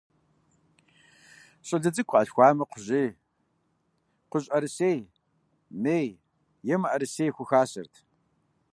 ЩӀалэ цӀыкӀу къалъхуамэ, кхъужьей, кхъужьӀэрысей, мей е мыӀэрысей хухасэрт.